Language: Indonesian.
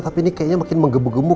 tapi ini kayaknya makin menggembu gemuk